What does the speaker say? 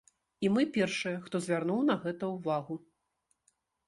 І мы першыя, хто звярнуў на гэта ўвагу.